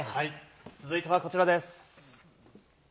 続いてはこちらです。